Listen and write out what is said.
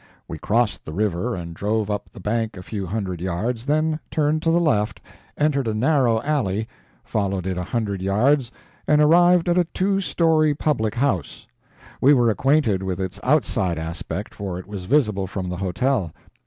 We crossed the river and drove up the bank a few hundred yards, then turned to the left, entered a narrow alley, followed it a hundred yards and arrived at a two story public house; we were acquainted with its outside aspect, for it was visible from the hotel.